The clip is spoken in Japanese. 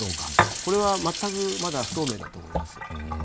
これはまったくまだ不透明だと思います。